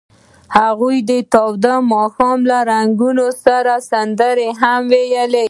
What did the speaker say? هغوی د تاوده ماښام له رنګونو سره سندرې هم ویلې.